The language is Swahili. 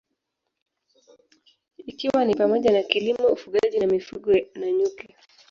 Ikiwa ni pamoja na kilimo ufugaji wa mifugo na nyuki